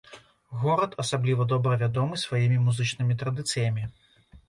Горад асабліва добра вядомы сваімі музычнымі традыцыямі.